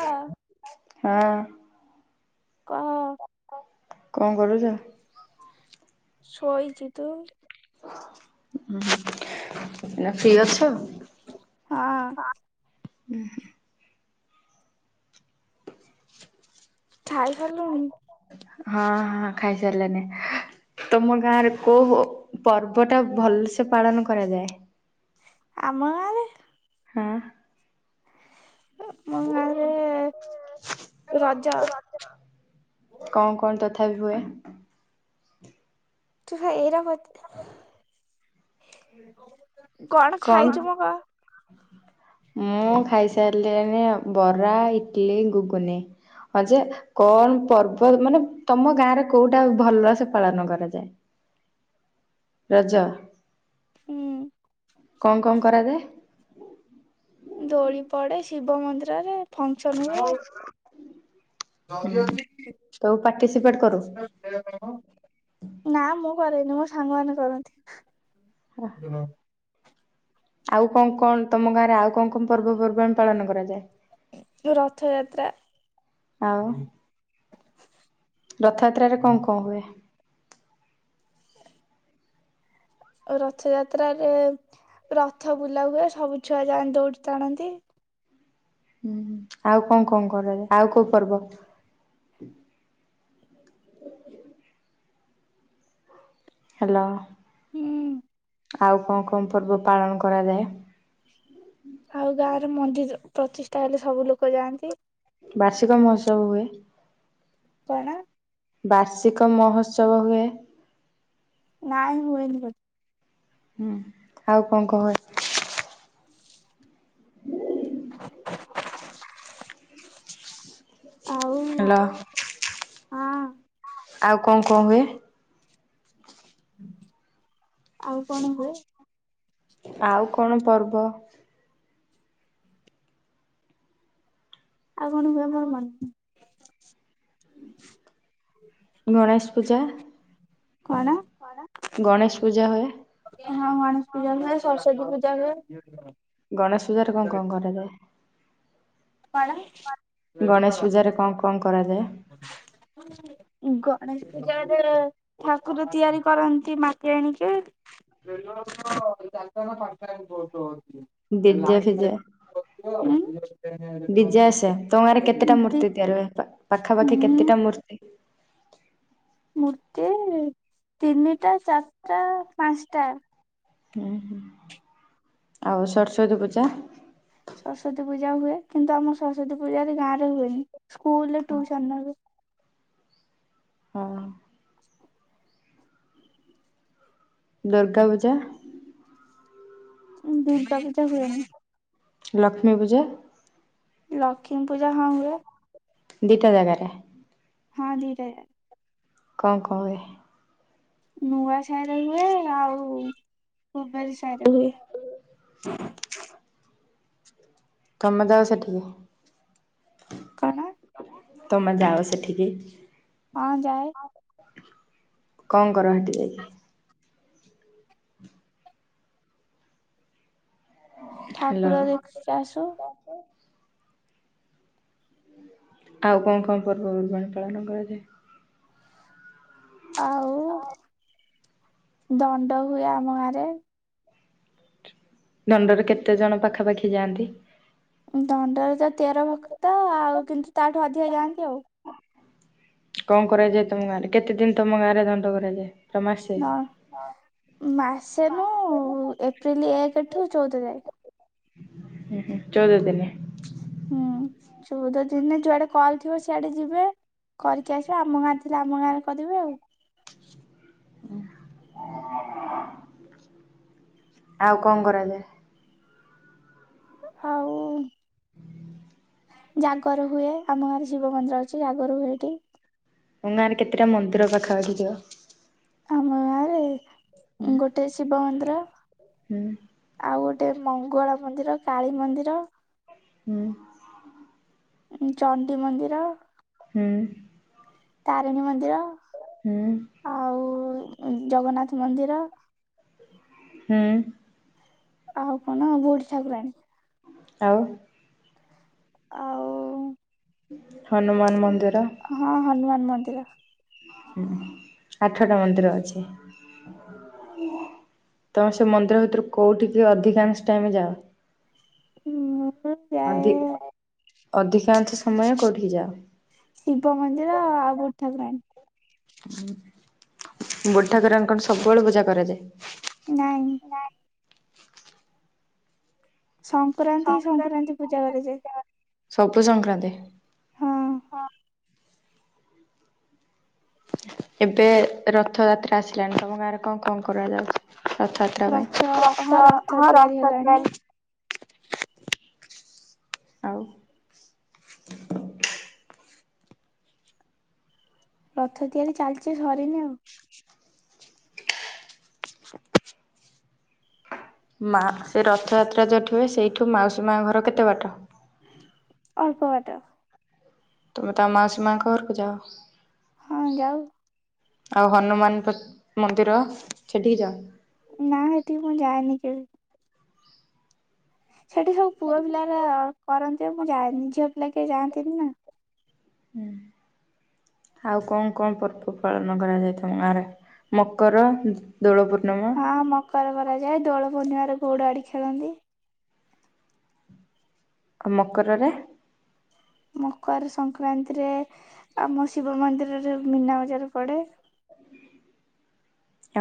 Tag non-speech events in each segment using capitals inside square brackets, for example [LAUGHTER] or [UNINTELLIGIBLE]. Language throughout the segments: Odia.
ହଁ। [INAUDIBLE] ହଁ। କହ। କଣ କରୁଛ? ସୋଇଚି ତ। ଉଁ ହୁଁ ଏଇନା ଫ୍ରି ଅଛ? ହଁ। ଖାଇ ସାରିଲଣି? ହଁ ହଁ ଖାଇ ସାରିଲିନି। ତମ ଗାଁ ରେ କୋଉ ପର୍ବ ଟା ଭଲସେ ପାଳନ କରାଯାଏ। ଆମଗାଁରେ ହଁ। ମୋ ଗାଁରେ ରଜ। କଣ କଣ ତଥାପି ହୁଏ? ତୁ ଏଇରା ମତେ କଣ ଖାଇଛୁ ମ କହ? ମୁଁ ଖାଇସାରିଲିଣି ବରା ଇଟଲିି ଗୁଗୁନି। ହଁ ଯେ କଣ ପର୍ବ ମାନେ ତମ ଗାଁରେ କୋଉଟା ଭଲସେ ପାଳନ କରାଯାଏ? ରଜ। ହୁଁ। କଣ କଣ କରାଯାଏ? ଦୋଳି ପଡେ ଶିବ ମନ୍ଦିରରେ ଫଙ୍କସନ ହୁଏ। ହୁଁ ଜରି ଅଛି କି [INAUDIBLE] ତୁ ପାର୍ଟିସିପେଟ୍ କରୁ? ନା ମୁଁ କରେନି ମୋ ସାଙ୍ଗ ମାନେ କରନ୍ତି। ହ ଆଉ କଣ କଣ ତମ ଗାଁରେ ଆଉ କଣ କଣ ପର୍ବପର୍ବାଣିୀ ପାଳନ କରାଯାଏ। ଜଉ ରଥଯାତ୍ରା। ଆଉ? ରଥଯାତ୍ରାରେ କଣ କଣ ହୁଏ? ରଥଯାତ୍ରାରେ ରଥ ବୁଲାହୁଏ ସବୁ ଛୁଆଯାନ୍ତି ଦୌଡ଼ି ଟାଣନ୍ତି। ହୁଁ ଆଉ କଣ କଣ କରାଜାଏ ଆଉ କଉ ପର୍ବ? ହ୍ୟାଲୋ। ହୁଁ। ଆଉ କଣ କଣ ପର୍ବ ପାଳନ କରାଯାଏ? ଆଉ ଗାଁରେ ମନ୍ଦିର ପ୍ରତିଷ୍ଠା ହେଲେ ସବୁ ଲୋକ ଯାଆନ୍ତି। ବାର୍ଷିକ ମହୋତ୍ସବ ହୁଏ। କଣ? ବାର୍ଷିକ ମହୋତ୍ସବ ହୁଏ। ନାଇଁ ହୁଏନି [UNINTELLIGIBLE] ହୁଁ ଆଉ କଣ କହ? ଆଉ ହ୍ୟାଲୋ। ହଁ ଆଉ କଣ କଣ ହୁଏ? ଆଉ କଣ ହୁଏ? ଆଉ କଣ ପର୍ବ ଆଉ କଣ ହୁଏ ମୋର ମନେ ଗଣେଶ ପୂଜା କଣ ଗଣେଶ ପୂଜା ହୁଏ। ହଁ ଗଣେଶ ପୂଜା ହୁଏ ସରସ୍ଵତୀ ପୂଜା ହୁଏ। ଗଣେଶ ପୂଜାରେ କଣ କଣ କରାଯାଏ? କଣ? ଗଣେଶ ପୂଜା ରେ କଣ କଣ କରାଯାଏ? ହ ଗଣେଶ ପୂଜାରେ ଠାକୁର ତିଆରି କରନ୍ତି ମାଟି ଆଣିକି। [UNINTELLIGIBLE] ଲାଇଟ ଡିଜେ ଫିଜେ ଫାଇଟ୍ କରୁଥିବ ଡିଜେ ଆସେ ତମ ଗାଁରେ ରେ କେତେଟା ମୂର୍ତ୍ତି ତିଆରି ହୁଏ ପାଖାପାଖି ହୁଁ କେତେଟା ମୂର୍ତ୍ତି? ମୂର୍ତ୍ତି ତିନିଟା ଚାରିଟା ପାଞ୍ଚଟା। ହୁଁ ହୁଁ ଆଉ ସରସ୍ଵତୀ ପୂଜା? ସରସ୍ଵତୀ ପୂଜା ହୁଏ କିନ୍ତୁ ଆମର ସରସ୍ଵତୀ ପୂଜା ଗାଁରେ ହୁଏନି ସ୍କୁଲରେ ଟୁସନରେ ହୁଏ। ହଁ। ଦୁର୍ଗା ପୂଜା ଦୁର୍ଗା ପୂଜା ହୁଏନି। ଲକ୍ଷ୍ମୀ ପୂଜା? ଲକ୍ଷ୍ମୀ ପୂଜା ହଁ ହୁଏ। ଦିଇଟା ଜାଗାରେ। ହଁ ଦିଟା ଜାଗା। କଁ କଣ ହୁଏ? ନୂଆ ସାହିରେ ହୁଏ ଆଉ କୁବେରୀ ସାହିରେ ହୁଏ। ତମେ ଯାଅ ସେଠିକି? କଣ? ତମେ ଯାଅ ସେଠିକି? ହଁ ଯାଏ। କଣ କର ହେଟି ଯାଇକି? ହ୍ୟାଲୋ ଠାକୁର ଦେଖିକି ଆସୁ। ଆଉ କଣ କଣ ପର୍ବପର୍ବାଣି ପାଳନ କରାଯାଏ? ଆଉ ଦଣ୍ଡ ହୁଏ ଆମ ଗାଁରେ। ଦଣ୍ଡରେ କେତେ ଜଣ ପାଖାପାଖି ଯାଆନ୍ତି? ଦଣ୍ଡରେ ତ ତେର ଭକ୍ତ ଆଉ କିନ୍ତୁ ତାଠୁ ଅଧିକା ଯାଆନ୍ତି ଆଉ। କଣ କରାଯାଏ ତମ ଗାଁରେ କେତେ ଦିନ ତମ ଗାଁରେ ଦଣ୍ଡ କରାଯାଏ? ପୁରା ମାସେ? ନ ମାସେ ନୁ ଏପ୍ରିଲ ଏକଠୁ ଚଉଦ ଯାଏ। ହୁଁ ହୁଁ ଚଉଦ ଦିନି। ହୁଁ ଚଉଦ ଦିନ ଯୋଆଡେ କଲ୍ ଥିବ ସିଆଡେ ଯିବେ। କରିକି ଆସିବେ ଆମ ଗାଁରେ ଥିଲେ ଆମ ଗାଁରେ କରିବେ ଆଉ। [INAUDIBLE] ଆଉ କଣ କରାଯାଏ? ଆଉ। ଜାଗର ହୁଏ ଆମ ଗାଁରେ ଶିବ ମନ୍ଦିର ଅଛି ଜାଗର ସେଇଠି। ତମ ଗାଁରେ କେତିଟା ମନ୍ଦିର ପାଖାପାଖି ଥିବ? ଆମ ଗାଁରେ ହୁଁ ଉଁ ଗୋଟେ ଶିବ ମନ୍ଦିର ହୁଁ। ଆଉ ଗୋଟେ ମଙ୍ଗଳା ମନ୍ଦିର କାଳୀ ମନ୍ଦିର ହୁଁ। ଚଣ୍ଡୀ ମନ୍ଦିର ହୁଁ। ତାରିଣୀ ମନ୍ଦିର। ହୁଁ। ଆଉ ଜଗନ୍ନାଥ୍ ମନ୍ଦିର ହୁଁ। ଆଉ କଣ ବୁଢ଼ୀ ଠାକୁରାଣୀ। ଆଉ। ଆଉ ହନୁମାନ୍ ମନ୍ଦିର। ହଁ ହନୁମାନ୍ ମନ୍ଦିର। ହୁଁ ଆଠଟା ମନ୍ଦିର ଅଛି। ତମେ ସେ ମନ୍ଦିର ଭିତରୁ କୋଉଠିକି ଅଧିକାଂଶ୍ ଟାଇମ୍ ଯାଅ? ମୁଁ ଯାଏ ଅଧି-ଅଧିକାଂଶ ସମୟ କୋଉଠି ଯାଅ? ଶିବ ମନ୍ଦିର ଆଉ ବୁଢ଼ୀ ଠାକୁରାଣୀ। ବୁଢ଼ୀ ଠାକୁରାଣୀ କଣ ସବୁବେଳେ ପୂଜା କରାଯାଏ? ନାଇଁ। ସଂକ୍ରାନ୍ତି କି ସଂକ୍ରାନ୍ତି ପୂଜା କରାଯାଏ। ସବୁ ସଂକ୍ରାନ୍ତି। ହଁ ଏବେ ରଥଯାତ୍ରା ଆସିଲାଣିି ତମ ଗାଁରେ କଣ, କଣ କରାଯାଉଛି। ରଥ ଯାତ୍ରା ପାଇଁ ରଥ ହଁ ରଥ ତିଆରି ହେଲାଣି ଆଉ ରଥ ତିଆରି ଚାଲିଛି ସରିନି ଆଉ। ହ ମା ସେ ରଥଯାତ୍ରା ଯେଉଁଠିୁ ହୁଏ ସେଇଠୁ ମାଉସୀ ମା ଘର କେତେ ବାଟ? ଅଳ୍ପ ବାଟ। ତୁମେ ତା ମାଉସୀ ମାଆଙ୍କ ଘରକୁ ଯାଅ ହଁ ଯାଉ। ଆଉ ହନୁମାନ ପ୍ ତ୍ ମନ୍ଦିର ସେଠିକି ଯାଅ। ନା ହେଠିକି ମୁଁ ଯାଏନି କେବେ। ସେଇଠି ସବୁ ପୁଅ ପିଲାରା କରନ୍ତି ମୁଁ ଯାଏନି ଝିଅ ପିଲା କେହି ଯାଆନ୍ତିନି ନା। ହୁଁ ଆଉ କଣ କଣ ପର୍ବ ପାଳନ କରାଯାଏ। ତମ ଗାଁରେ। ମକର ଦୋଳପୂର୍ଣ୍ଣମା ହଁ ମକର କରାଯାଏ। ଦୋଳ ପୂର୍ଣ୍ଣିମରେ ଗୋଉଡ଼ ବାଡି଼ ଖେଳନ୍ତି। ଆଉ ମକରରେ ମକର୍ ସଂକ୍ରାନ୍ତିରେ ଆମ ଶିବ ମନ୍ଦିରରେ ମୀନା ବଜାର ପଡ଼େ।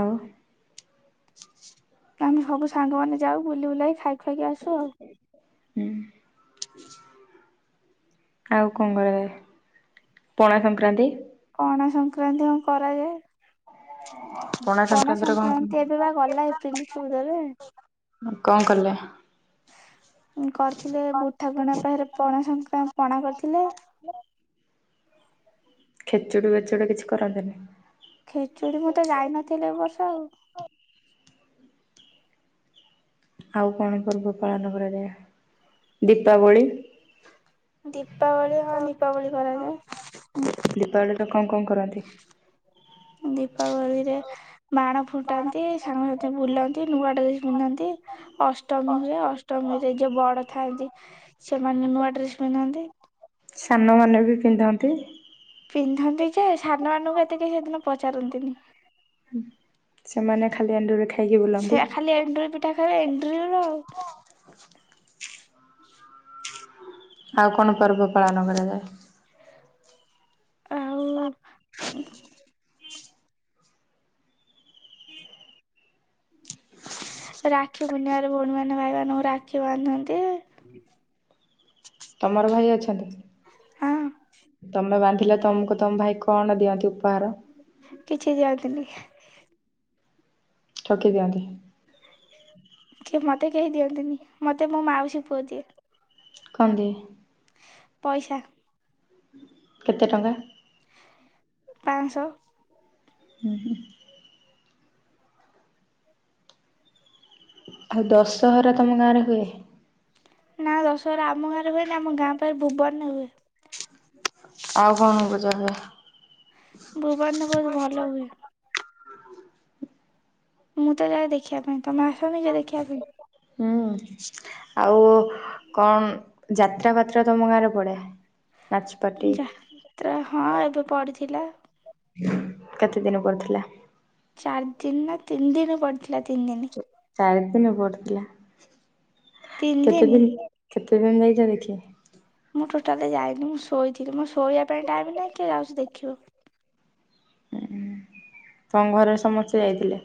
ଆଉ। ଆମେ ସବୁ ସାଙ୍ଗମାନେ ଯାଉ ବୁଲି ବୁଲାଇକି ଖାଇ ଖଆାଇକି ଆସୁ ଆଉ। ହୁଁ। ଆଉ କଣ କରାଯାଏ ପଣା ସଂକ୍ରାନ୍ତି ପଣା ସଂକ୍ରାନ୍ତି ହଁ କରାଯାଏ। ପଣା ସଂକ୍ରାନ୍ତିରେ କଣ ସଂକ୍ରାନ୍ତି ଏବେ ବା ଗଲା ଏପ୍ରିଲି ଚଉଦରେ। କଅଣ କଲେ କରିଥିଲେ ବୁଠାକୁରାଣୀଙ୍କ ପାଖରେ ପଣା ସଂକ୍ରାନ୍ତି ପଣା କରିଥିଲେ। ଖେଚୁଡ଼ି ବେଚୁଡ଼ି କିଛି କରନ୍ତିନି? ଖେଚୁଡ଼ି ମୁଁ ତ ଯାଇନଥିଲି ଏବର୍ଷ ଆଉ। ଆଉ କଣ ପର୍ବ ପାଳନ କରାଯାଏ। ଦୀପାବଳି? ଦୀପାବଳି ହଁ ଦୀପାବଳି କରାଯାଏ। ଦୀପାବଳିରେ କଣ୍ କଣ୍ କରନ୍ତି? ଦୀପାବଳିରେ ବାଣ ଫୁଟାନ୍ତି ସାଙ୍ଗସାଥି ବୁଲନ୍ତି ନୂଆ ଡ୍ରେସ୍ ପିନ୍ଧନ୍ତି। ଅଷ୍ଟମୀ ହୁଏ ଅଷ୍ଟମୀ ରେ ଯଉ ବଡ ଥାଆନ୍ତି ସେମାନେ ନୂଆ ଡ୍ରେସ୍ ପିନ୍ଧନ୍ତି। ସାନ ମାନେ ବି ପିନ୍ଧନ୍ତି। ପିନ୍ଧନ୍ତି ଯେ ସାନ ମାନଙ୍କୁ ଏତେ କେହି ହେଦିନ ପଚାରନ୍ତିନି। ସେମାନେ ଖାଲି ଏଣ୍ଡୁରି ଖାଇକି ବୁଲନ୍ତି। ସେ ଖାଲି ଏଣ୍ଡୁରି ପି ଏଟା ଖାଲି ଏଣ୍ଡୁ୍ରି ଆଉ। [INAUDIBLE] ଆଉ କଣ ପର୍ବ ପାଳନ କରାଯାଏ? ଆଉ ଉଁ - ହୁଁ ରାକ୍ଷୀ ପୂର୍ଣ୍ଣିମାରେ ଭଉଣୀ ମାନ ଭାଇମାନଙ୍କୁ ରାକ୍ଷୀ ବାନ୍ଧନ୍ତି। ହୁଁ ତମର ଭାଇ ଅଛନ୍ତି? ହଁ। ତମେ ବାନ୍ଧିଲେ ତମକୁ ତମ ଭାଇ କଣ ଦିଅନ୍ତି ଉପହାର। କିଛି ଦିଅନ୍ତିନି। ଠକି ଦିଅନ୍ତି। କିଏ ମତେ କେହି ଦିଅନ୍ତିନି ମତେ ମୋ ମାଉସୀ ପୁଅ ଦିଏ। କଣ୍ ଦିଏ? ପଇସା। କେତେ ଟଙ୍କା? ପାଁ ସ। ହୁଁ ହୁଁ। ଆଉ ଦଶହରା ତମ ଗାଁରେ ହୁଏ? ନା ଦଶହରା ଆମ ଗାଁରେ ହୁଏନି ଆମ ଗାଁ ପାଖେ ଭୁବନରେ ହୁଏ। ଆଉ କଣ ପଚାର୍ ଦିଅ? ଭୁବନରେ ବହୁତ୍ ଭଲ ହୁଏ। ମୁଁ ତ ଯାଏ ଦେଖିବା ପାଇଁ ତମେ ଆସନି କି ଦେଖିବା ପାଇଁ? ହୁଁ। ଆଉ କଣ୍ ଯାତ୍ରା ଫାତ୍ରା ତମ ଗାଁ ରେ ପଡେ ନାଚ୍ ଯା ତ୍ରା ହଁ ଏବେ ପଡିଥିଲା। କେତେ ଦିନ ପଡ଼ିଥିଲା? ଚାରି ଦିନି ନା ତିନି ଦିନି ପଡିଥିଲା ତିନ୍ ଦିନି। ଚାରି ଦିନ ପଡ଼ିଥିଲା ତିନି କେତେ ଦିନ। ଦିନ୍ କେତେ ଦିନ୍ ଯାଇଚ ଦେଖିବା ମୁଁ ଟୋଟାଲି ଯାଇନି ମୁଁ ଶୋଇଥିଲି ମୁଁ ଶୋଇବା ପାଇଁ ଟାଇମ୍ ନାହିଁ କିଏ ଯାଉଚି ଦେଖିବାକୁ। ହୁଁ ତମ ଘର ର ସମସ୍ତେ ଯାଇଥିଲେ?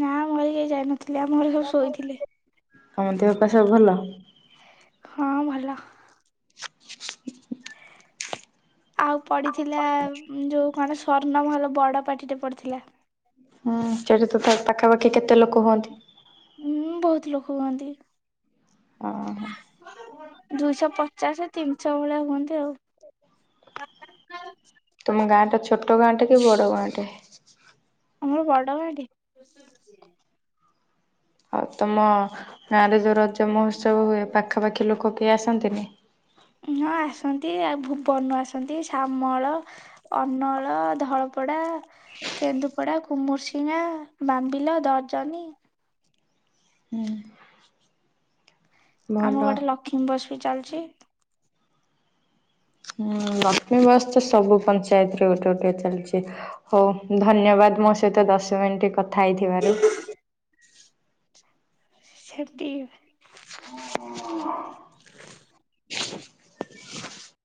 ନା ଆମ ଘରେ କେହି ଯାଇନଥିଲେ ଆମ ଘରେ ସବୁ ଶୋଇଥିଲେ। ତମ ଦେହ ପା ସବୁ ଭଲ? ହଁ ଭଲ। ଆଉ ପଡିଥିଲା ଯଉ କଣ ସ୍ଵର୍ଣ୍ଣମହଲ ବଡ ପାଟି ଟେ ପଡିଥିଲା। ହଁ [UNINTELLIGIBLE] ତ ପାଖାପାଖି କେତେ ଲୋକ ହୁଅନ୍ତି? ହୁଁ ବହୁତ୍ ଲୋକ ହୁଅନ୍ତି। ଓହୋ। ଦୁଇଶହ ପଚାଶେ, ତିନିଶହ ଭଳିଆ ହୁଅନ୍ତି ଆଉ। ତୁମ ଗାଁ ଟା ଛୋଟ ଗାଁ ଟେ କି ବଡ଼ ଗାଁ ଟେ? ଆମର ବଡ ଗାଁ ଟେ। [INAUDIBLE] ଆଉ ତମ ଗାଁରେ ଯୋଉ ରଜ ମହୋତ୍ସବ ହୁଏ ପାଖାପାଖି ଲୋକ କେହି ଆସନ୍ତିନି? ହଁ ଆସନ୍ତି ଆଉ ଭୁବନ ରୁ ଆସନ୍ତି ଶାମଳ ଅନଳ, ଧଳପଡ଼ା କେନ୍ଦୁପଡ଼ା, କୁମୁରସିଙ୍ଘା, ବାମ୍ବିଲା, ଦର୍ଜନୀ। ହୁଁ। ଆମ ପଟେ ଲକ୍ଷ୍ମୀ ବସ୍ ବି ଚାଲିଛି। ହୁଁ ଲକ୍ଷ୍ମୀ ବସ୍ ତ ସବୁ ପଞ୍ଚାୟତରେ ଗୋଟେ ଗୋଟେ ଚାଲିଛି। ହଉ ଧନ୍ୟବାଦ ମୋ ସହିତ ଦଶ ମିନିଟ କଥା ହେଇଥିବାରୁ। [UNINTELLIGIBLE] [INAUDIBLE]